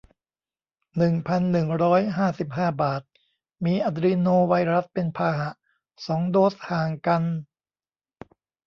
หนึ่งพันหนึ่งร้อยห้าสิบห้า บาท มีอะดรีโนไวรัสเป็นพาหะ สอง โดส ห่างกัน